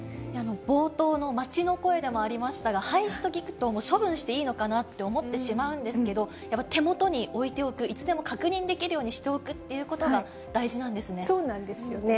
冒頭の街の声でもありましたが、廃止と聞くと、もう処分していいのかなって思ってしまうんですけれども、やっぱり手元に置いておく、いつでも確認できるようにしておくというこそうなんですよね。